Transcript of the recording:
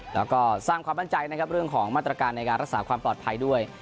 แล้วก็สร้างความมั่นใจนะครับเรื่องของมาตรการในการรักษาความปลอดภัยด้วย